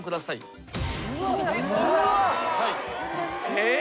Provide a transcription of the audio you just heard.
えっ？